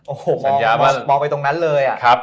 โอ้โหโอ้โหบอกไปตรงนั้นเลยอ่ะ